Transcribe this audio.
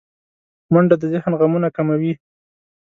منډه د ذهن غمونه کموي